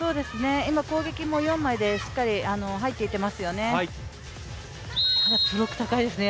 今、攻撃も四枚でしっかり入っていってますよね。